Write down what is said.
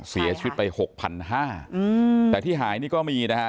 เสียชีวิตไป๖๕๐๐แต่ที่หายนี่ก็มีนะฮะ